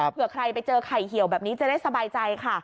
เผื่อใครไปเจอไข่เหี่ยวแบบนี้จะได้สบายใจค่ะ